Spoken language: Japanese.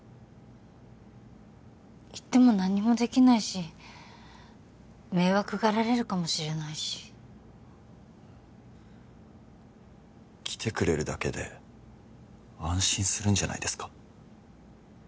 行ってもなんにもできないし迷惑がられるかもしれないし来てくれるだけで安心するんじゃないですか？